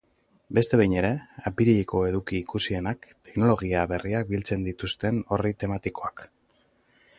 Beste behin ere, apirileko eduki ikusienak teknologia berriak biltzen dituzten orri tematikoak.